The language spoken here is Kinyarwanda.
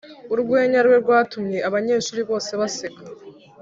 urwenya rwe rwatumye abanyeshuri bose baseka.